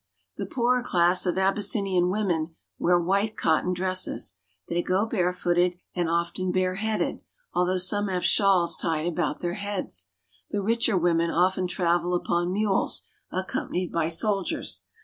The poorer class of Abyssinian women wear white cotton dresses ; they go barefooted and often bareheaded, al though some have shawls tied about their heads. The richer women often travel upon mules, accompanied by soldiers.